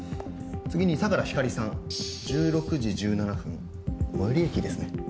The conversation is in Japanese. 次に相良光莉さん１６時１７分最寄り駅ですね